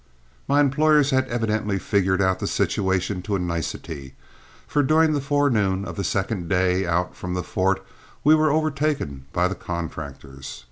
My employers had evidently figured out the situation to a nicety, for during the forenoon of the second day out from the fort we were overtaken by the contractors.